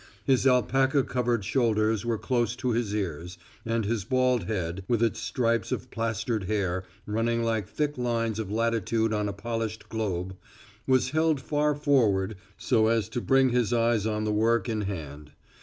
His alpaca covered shoulders were close to his ears; and his bald head, with its stripes of plastered hair running like thick lines of latitude on a polished globe, was held far forward so as to bring his eyes on the work in hand.